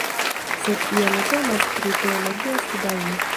Sed ja ne temas pri teologia studaĵo.